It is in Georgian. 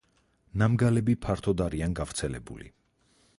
ნამგალები ფართოდ არიან გავრცელებული.